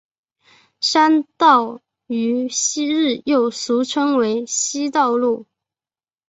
山道于昔日又俗称为希路道。